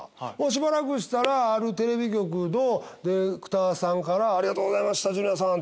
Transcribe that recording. しばらくしたらあるテレビ局のディレクターさんから「ありがとうございますジュニアさん」